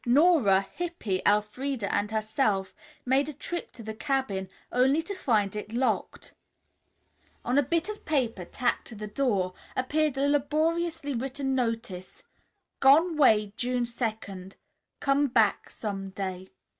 Nora, Hippy, Elfreda and herself made a trip to the cabin only to find it locked. On a bit of paper tacked to the door, appeared the laboriously written notice: "Gone way June 2. Come back som day."